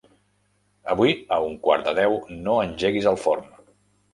Avui a un quart de deu no engeguis el forn.